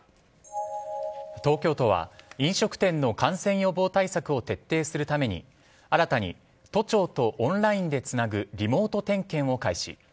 東京都は飲食店の感染予防対策を徹底するために新たに都庁とオンラインでつなぐリモート点検を開始。